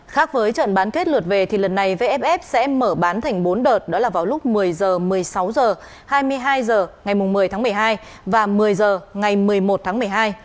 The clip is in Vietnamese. khác với trận bán kết lượt về thì lần này vff sẽ mở bán thành bốn đợt đó là vào lúc một mươi h một mươi sáu h hai mươi hai h ngày một mươi tháng một mươi hai và một mươi h ngày một mươi một tháng một mươi hai